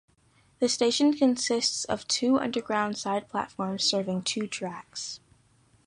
The station consists of two underground side platforms serving two tracks.